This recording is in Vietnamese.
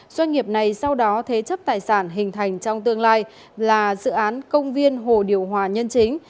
doanh nghiệp này sau đó thế chấp tài sản hình thành trong tương lai là dự án công viên hồ điều hòa nhân chính